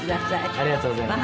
ありがとうございます。